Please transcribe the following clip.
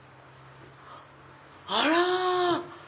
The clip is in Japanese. あら！